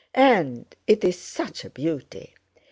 "And it's such a beauty!